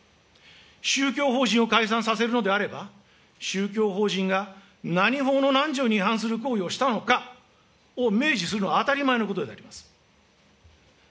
宗教法人を解散させるのであれば、宗教法人が何法の何条に違反する行為をしたのかを明示するのは当たり前のことであります。